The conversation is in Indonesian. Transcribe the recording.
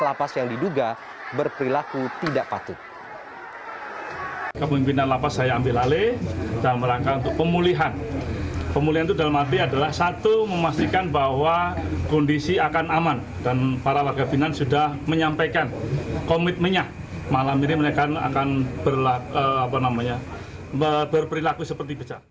lapas yang diduga berperilaku tidak patut